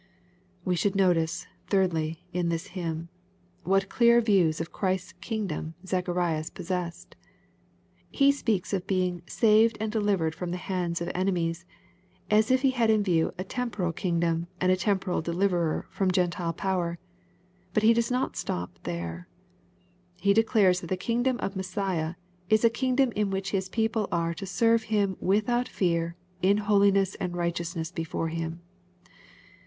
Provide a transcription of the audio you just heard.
We should notice, thirdly, in this hymn, whai; clear views of Chrisfs kingdom Zacharias possessed. He speaks of being " saved and delivered from the hands of enemies/' as if he had in view a temporal kingdom and a temporal deliverer from Gentile power. But he does not stop here. He declares that the kingdom of Messiah, is a kingdom in which His people are to " serve Him without fear, in holiness and righteousness before Him."